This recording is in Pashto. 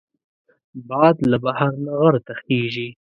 باد له بحر نه غر ته خېژي